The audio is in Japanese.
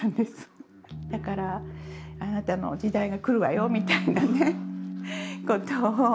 だから「あなたの時代が来るわよ」みたいなね事を。